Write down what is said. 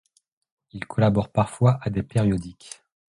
Il collabore parfois à des périodiques.